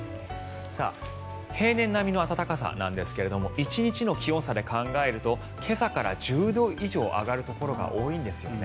平年並みの暖かさなんですが１日の気温差で考えると今朝から１０度以上上がるところが多いんですよね。